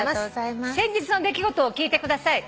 「先日の出来事を聞いてください」